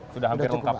sudah hampir lengkap